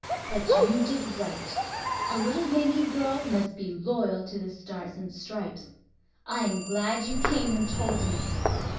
But you did right. A little Yankee girl must be loyal to the Stars and Stripes. I am glad you came and told me."